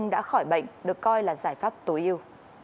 các f đã khỏi bệnh được coi là giải pháp tối ưu